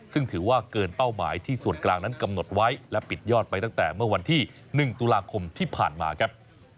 ซึ่งถือว่าเกินเป้าหมายที่ส่วนกลางนั้นกำหนดไว้และปิดยอดไปตั้งแต่เมื่อวันที่๑ตุลาคมที่ผ่านมาครับ